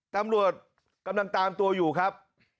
ตำรวจกำลังตามตัวอยู่ครับ